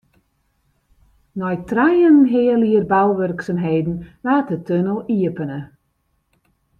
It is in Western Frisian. Nei trije en in heal jier bouwurksumheden waard de tunnel iepene.